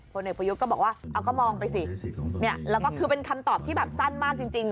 เอกประยุทธ์ก็บอกว่าเอาก็มองไปสิเนี่ยแล้วก็คือเป็นคำตอบที่แบบสั้นมากจริง